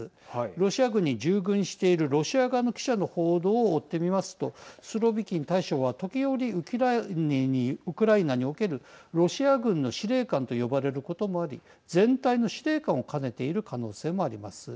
ロシア軍に従軍しているロシア側の記者の報道を追って見ますとスロビキン大将は、時折ウクライナにおけるロシア軍の司令官と呼ばれることもあり全体の司令官を兼ねている可能性もあります。